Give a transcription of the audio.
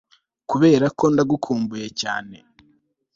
kuberako ndagukumbuye cyane